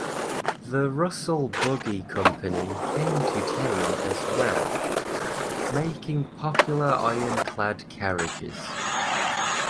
The Russell Buggy Company came to town as well, making popular ironclad carriages.